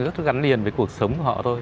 rất gắn liền với cuộc sống của họ thôi